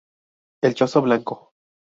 El Chozo Blanco.